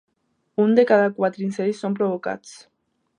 Un de cada quatre incendis són provocats.